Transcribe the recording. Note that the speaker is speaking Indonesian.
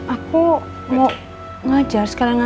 aku mau ngajar sekalian nanti